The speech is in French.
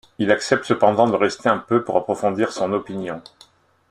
Il accepte cependant de rester un peu pour approfondir son opinion.